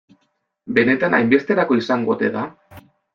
Benetan hainbesterako izango ote da?